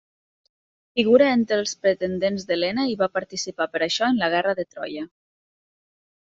Figura entre els pretendents d'Helena, i va participar per això en la guerra de Troia.